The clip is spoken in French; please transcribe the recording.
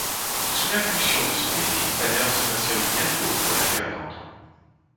Sous l'impulsion de son aîné, Tanner se passionne bientôt pour l'affaire d'antan...